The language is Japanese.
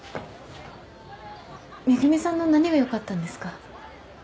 めぐみさんの何が良かったんですか？